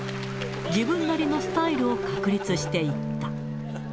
自分なりのスタイルを確立していった。